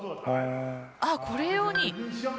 ああこれ用に。